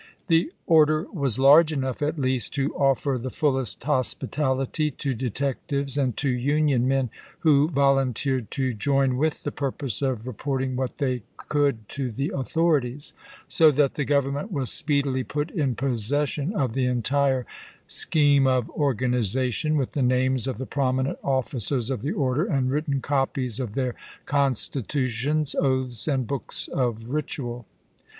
The order was large enough at least to offer the fullest hospitality to detectives and to Union men who volunteered to join with the purpose of report ing what they could to the authorities ; so that the Government was speedily put in possession of the entii'e scheme of organization, with the names of the prominent officers of the order and written copies of their constitutions, oaths, and books of ritual.